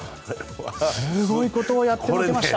すごいことをやってのけました。